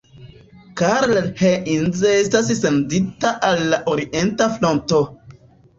Karl Heinz estas sendita al la orienta fronto.